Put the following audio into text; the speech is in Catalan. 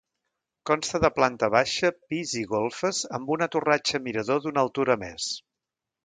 Consta de planta baixa, pis i golfes amb una torratxa mirador d'una altura més.